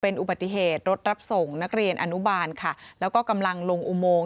อุบัติเหตุรถรับส่งนักเรียนอนุบาลค่ะแล้วก็กำลังลงอุโมง